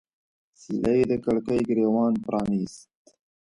سیلۍ د کړکۍ ګریوان پرانیست